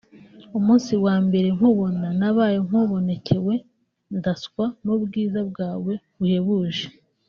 Umunsi wa mbere nkubona nabaye nk’ubonekewe ndaswa n’ubwiza bwawe buhebuje